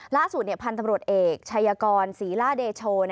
ล่าสุดพันธุ์ตำรวจเอกชายกรศรีล่าเดโช